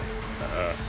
ああ。